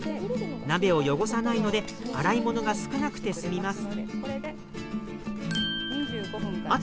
鍋を汚さないので洗い物が少なくてすみます。